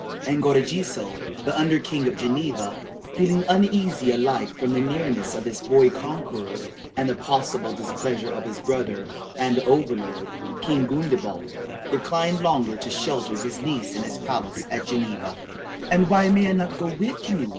And Godegesil, the under king of Geneva, feeling uneasy alike from the nearness of this boy conqueror and the possible displeasure of his brother and over lord, King Gundebald, declined longer to shelter his niece in his palace at Geneva. "And why may I not go with you?"